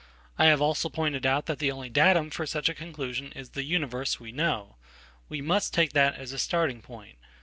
I havealso pointed out that the only datum for such a conclusion is theuniverse we know. We must take that as a starting point.